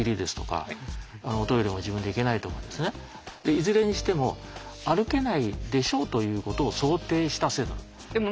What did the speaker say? いずれにしても歩けないでしょうということを想定した制度なんです。